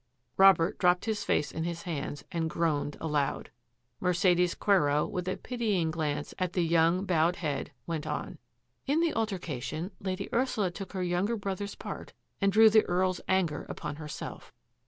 Robert dropped his face in his hands and groaned aloud. Mercedes Quero, with a pitying glance at the young, bowed head, went on, " In the altercation Lady Ursula took her younger brother's part and drew the Earl's anger upon herself.